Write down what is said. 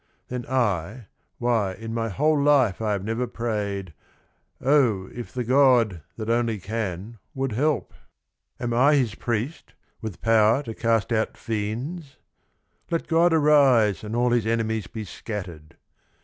"Then I, 'Why in my whole life I have never prayed 1 Oh, if the God, that only can, would help I 86 THE RING AND THE BOOK Am I his priest with power to cast out fiends? Let God arise and all his enemies Be scattered.'